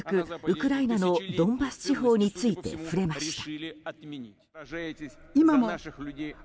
ウクライナのドンバス地方について触れました。